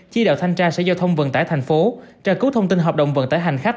chỉ đạo thanh tra sở giao thông vận tải thành phố tra cứu thông tin hợp đồng vận tải hành khách